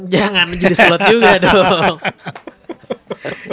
jangan judi slot juga dong